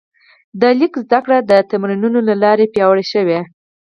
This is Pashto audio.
د لیک زده کړه د تمرینونو له لارې پیاوړې شوه.